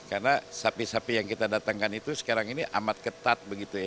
karena sapi sapi yang kita datangkan itu sekarang ini amat ketat begitu ya